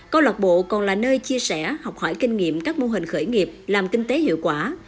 câu lạc bộ còn là nơi chia sẻ học hỏi kinh nghiệm các mô hình khởi nghiệp làm kinh tế hiệu quả